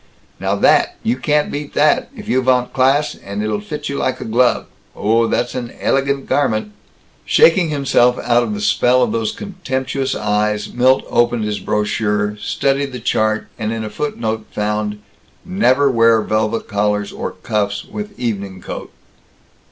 "Now that you can't beat that, if you vant class, and it'll fit you like a glove. Oh, that's an ellllegant garment!" Shaking himself out of the spell of those contemptuous eyes Milt opened his brochure, studied the chart, and in a footnote found, "Never wear velvet collars or cuffs with evening coat."